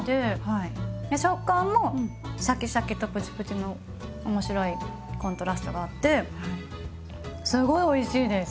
食感もシャキシャキとプチプチの面白いコントラストがあってすごいおいしいです！